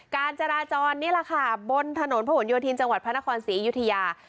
การจราจรนี่แหละค่ะบนถนนพระหลโยธินจังหวัดพระนครศรีอยุธยา